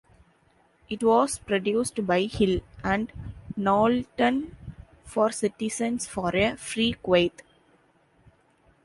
It was produced by Hill and Knowlton for Citizens for a Free Kuwait.